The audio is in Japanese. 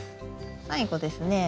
最後ですね